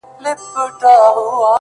په موږ کي بند دی؛